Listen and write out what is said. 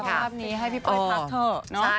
สุขภาพนี้ให้พี่เป้ยพักเถอะ